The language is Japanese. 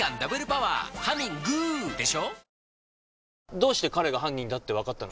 「どうして彼が犯人だって分かったの？」